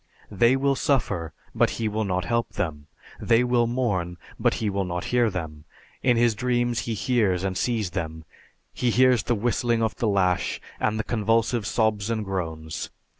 They will suffer but he will not help them; they will mourn, but he will not hear them. In his dreams he hears and sees them. He hears the whistling of the lash and the convulsive sobs and groans.